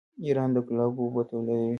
ایران د ګلابو اوبه تولیدوي.